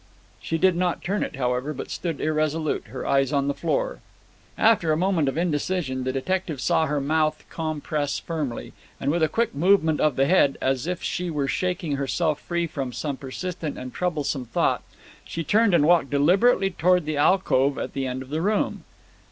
She did not turn it, however, but stood irresolute, her eyes on the floor. After a moment of indecision, the detective saw her mouth compress firmly, and with a quick movement of the head, as if she were shaking herself free from some persistent and troublesome thought, she turned and walked deliberately towards the alcove at the end of the room.